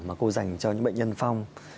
mà cô dành cho những bệnh nhân phong